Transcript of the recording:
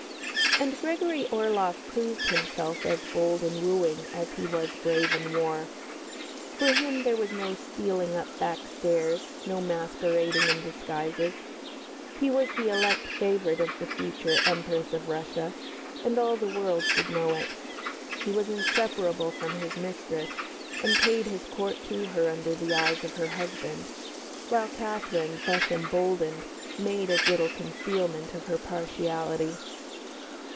And Gregory Orloff proved himself as bold in wooing as he was brave in war. For him there was no stealing up back stairs, no masquerading in disguises. He was the elect favourite of the future Empress of Russia, and all the world should know it. He was inseparable from his mistress, and paid his court to her under the eyes of her husband; while Catherine, thus emboldened, made as little concealment of her partiality.